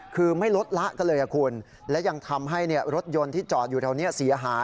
คือไม่ลดละกันเลยคุณและยังทำให้รถยนต์ที่จอดอยู่แถวนี้เสียหาย